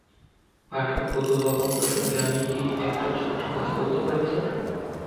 পাঠক বলল, লবণ প্রসঙ্গে আমি কি একটা ছোট্ট কথা বলতে পারি স্যার?